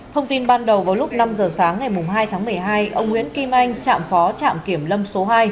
thông tin ban đầu vào lúc năm giờ sáng ngày hai tháng một mươi hai ông nguyễn kim anh chạm phó trạm kiểm lâm số hai